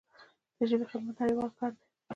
د ژبې خدمت نړیوال کار دی.